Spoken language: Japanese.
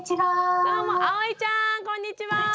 あっこんにちは！